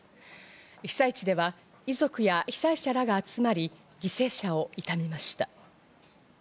被災地では遺族や被災者らが集まり、犠牲者を悼みました。